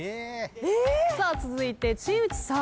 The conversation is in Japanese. さあ続いて新内さん。